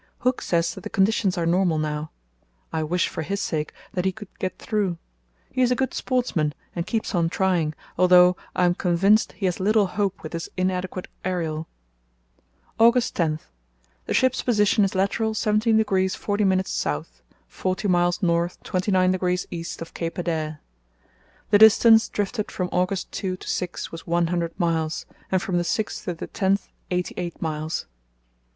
Hooke says that the conditions are normal now. I wish for his sake that he could get through. He is a good sportsman and keeps on trying, although, I am convinced, he has little hope with this inadequate aerial. "August 10.—The ship's position is lat. 70° 40´ S., forty miles north 29° east of Cape Adare. The distance drifted from August 2 to 6 was one hundred miles, and from the 6th to the 10th eighty eight miles.